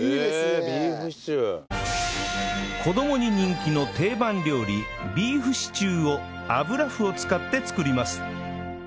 子どもに人気の定番料理ビーフシチューを油麩を使って作ります